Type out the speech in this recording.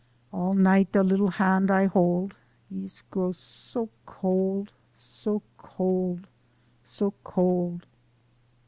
All night da leetla hand I hold Ees grow so cold, so cold, so cold.